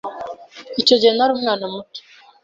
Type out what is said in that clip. Icyo gihe nari umwana muto